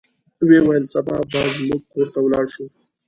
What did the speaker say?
ویې ویل سبا به زموږ کور ته ولاړ شو.